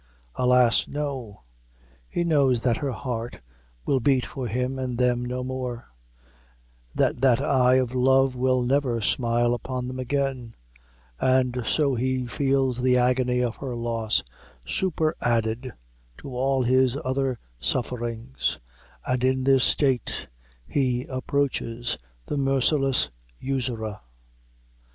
Alas! no; he knows that her heart will beat for him and them no more; that that eye of love will never smile upon them again; and so he feels the agony of her loss superadded to all his other sufferings, and in this state he approaches the merciless usurer.